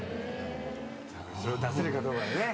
それを出せるかどうか。